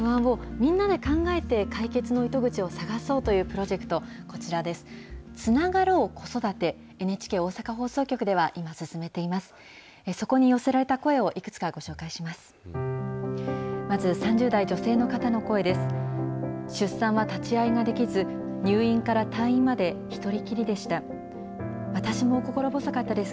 そこに寄せられた声をいくつかご紹介します。